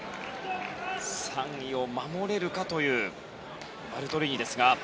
３位を守れるかというバルトリーニですが。